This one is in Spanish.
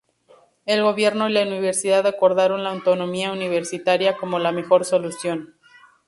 El gobierno y la universidad acordaron la autonomía universitaria como la mejor solución.